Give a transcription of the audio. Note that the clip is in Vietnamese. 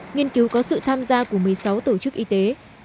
nghiên cứu có sự tham gia của một mươi sáu tổ chức y tế